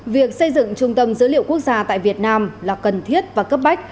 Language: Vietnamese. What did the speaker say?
việc xây dựng trung tâm dữ liệu quốc gia tại việt nam là cần thiết và cấp bách